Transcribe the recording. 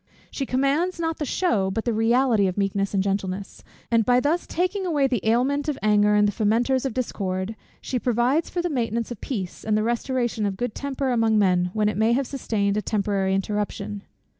She commands not the shew, but the reality of meekness and gentleness; and by thus taking away the aliment of anger and the fomenters of discord, she provides for the maintenance of peace, and the restoration of good temper among men, when it may have sustained a temporary interruption.